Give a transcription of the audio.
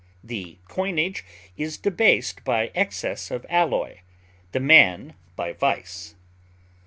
The coinage is debased by excess of alloy, the man by vice.